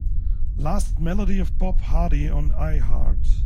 last melody of Bob Hardy on Iheart